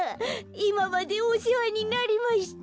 いままでおせわになりました。